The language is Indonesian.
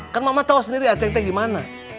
kan mama tau sendiri aceng teh gimana